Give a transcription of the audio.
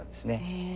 へえ。